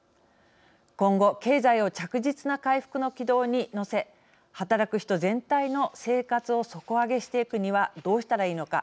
今後、経済を着実な回復の軌道に乗せ働く人全体の生活を底上げしていくにはどうしたらいいのか。